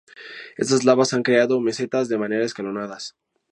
Estas lavas han creado mesetas de manera escalonadas.